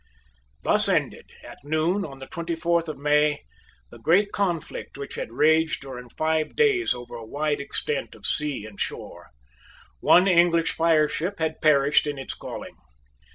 Thus ended, at noon on the twenty fourth of May, the great conflict which had raged during five days over a wide extent of sea and shore. One English fireship had perished in its calling.